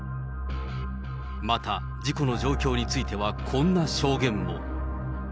また事故の状況については、こんな証言も。